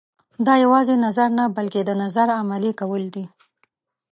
دا یوازې نظر نه بلکې د نظر عملي کول دي.